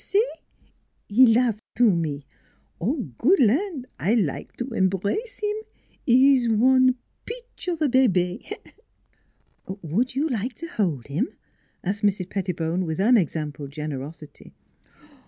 " See ! 'e laugh to me. Good Ian', I like to embrace 'eem ! 'E ees one peach of be be." "Would you like to hold him?" asked Mrs. Pettibone, with unexampled generosity.